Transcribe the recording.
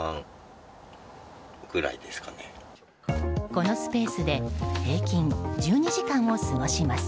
このスペースで平均１２時間を過ごします。